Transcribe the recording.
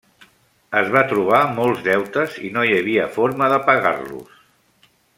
Es va trobar molts deutes i no hi havia forma de pagar-los.